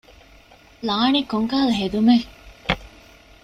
ލާނީ ކޮންކަހަލަ ހެދުމެއް؟